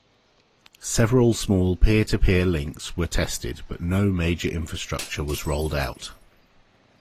Several small peer-to-peer links were tested, but no major infrastructure was rolled out.